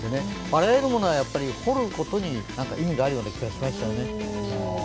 あらゆることは掘ることに意味があるような気がしましたね。